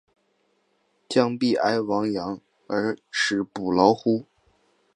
将必俟亡羊而始补牢乎！